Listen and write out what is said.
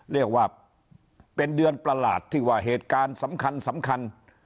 เรียกว่าเป็นเดือนประหลาดที่ว่าเหตุการณ์สำคัญ